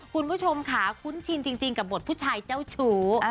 คุณผู้ชมค่ะคุ้นชินจริงกับบทผู้ชายเจ้าชู้